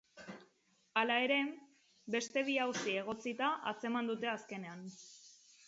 Hala ere, beste bi auzi egotzita atzeman dute azkenean.